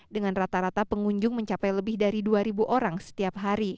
dengan rata rata pengunjung mencapai lebih dari dua orang setiap hari